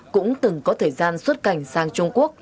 cũng từng có thời gian xuất cảnh sang trung quốc